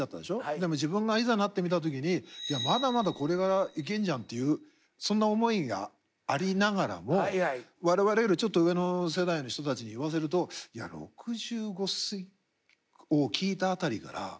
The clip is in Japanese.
でも自分がいざなってみた時にまだまだこれからいけんじゃんっていうそんな思いがありながらも我々よりちょっと上の世代の人たちに言わせると６５をきいた辺りからガタッとくるよってよく言われて。